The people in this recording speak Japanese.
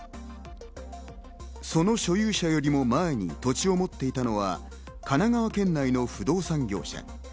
その所有者よりも前に土地を持っていたのは神奈川県内の不動産業者。